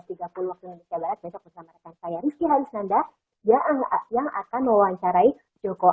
indonesia barat besok bersama rekan saya rizky harisnanda yang akan mewawancarai joko